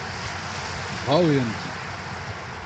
Brav eo an ti.